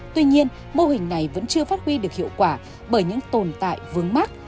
tuy nhiên mô hình này vẫn chưa phát huy được hiệu quả bởi những tồn tại vướng mắc